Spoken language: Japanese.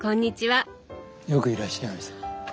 よくいらっしゃいました。